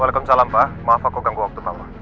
waalaikumsalam pak maaf aku ganggu waktu maaf